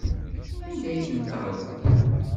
Anda ay ten-terẓam?